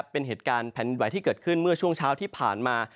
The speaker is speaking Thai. เป็นเหตุการณ์แผ่นไหวที่เกิดขึ้นเมื่อช่วงเช้าที่ผ่านมา